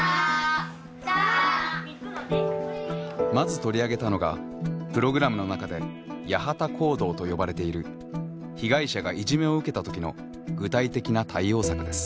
まず取り上げたのがプログラムの中でやはた行動と呼ばれている被害者がいじめを受けた時の具体的な対応策です。